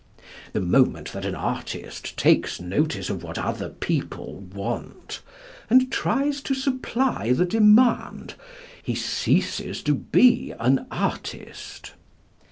The moment that an artist takes notice of what other people want, and tries to supply the demand, he ceases to be an artist."